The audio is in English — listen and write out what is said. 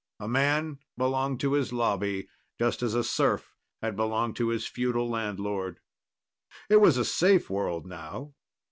A man belonged to his Lobby, just as a serf had belonged to his feudal landlord. It was a safe world now.